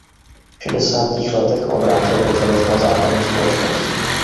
V šedesátých letech obrátil pozornost na západní společnost.